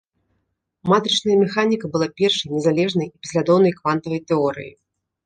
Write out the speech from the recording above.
Матрычная механіка была першай незалежнай і паслядоўнай квантавай тэорыяй.